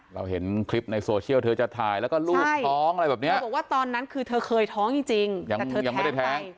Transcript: เราเห็นคลิปในโซเชียลเธอจะถ่ายแล้วก็ลูกท้องอะไรแบบนี้เธอบอกว่าตอนนั้นคือเธอเคยท้องจริงยังไม่ได้แท้ง